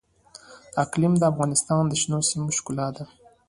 اقلیم د افغانستان د شنو سیمو ښکلا ده.